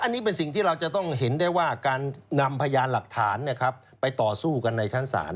อันนี้เป็นสิ่งที่เราจะต้องเห็นได้ว่าการนำพยานหลักฐานไปต่อสู้กันในชั้นศาล